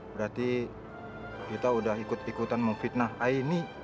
berarti kita sudah ikut ikutan memfitnah aini